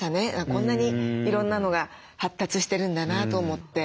こんなにいろんなのが発達してるんだなと思って。